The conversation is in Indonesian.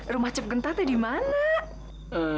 rumah cepgenta teh di mana